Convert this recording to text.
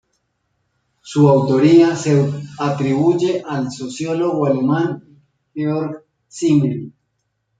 Su autoría se atribuye al sociólogo alemán Georg Simmel.